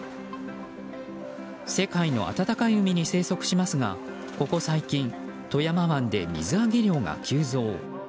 世界の暖かい海に生息しますがここ最近富山湾で水揚げ量が急増。